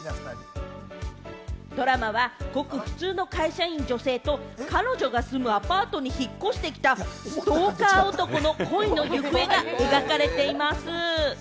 ドラマはごく普通の会社員女性と彼女が住むアパートの隣に引っ越してきたストーカー男の恋の行方が描かれています。